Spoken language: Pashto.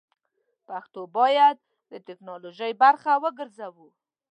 پښتو بايد د ټيکنالوژۍ برخه وګرځوو!